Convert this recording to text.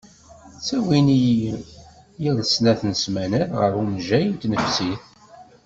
Ttawin-iyi yal snat n smanat ɣer umejjay n tnefsit.